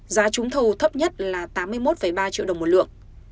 giá trúng thầu thấp nhất là tám mươi một ba triệu đồng một lượng